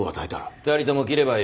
２人とも切ればいい。